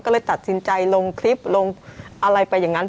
ก็เลยตัดสินใจลงคลิปลงอะไรไปอย่างนั้น